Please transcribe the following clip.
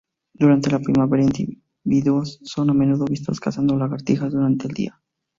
Durante la primavera individuos son a menudo vistos cazando lagartijas durante el día.